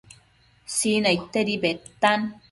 Sinaidtedi bedtan